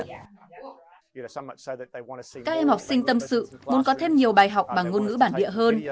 các em học sinh tâm sự muốn có thêm nhiều bài học bằng ngôn ngữ bản địa hơn